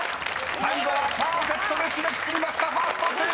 ［最後はパーフェクトで締めくくりました１ｓｔＳＴＡＧＥ！］